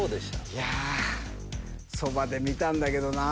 いやそばで見たんだけどな。